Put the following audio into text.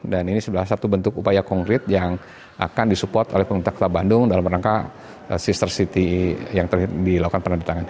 dan ini adalah satu bentuk upaya konkret yang akan disupport oleh pemerintah kota bandung dalam rangka sister city yang dilakukan penerbitangan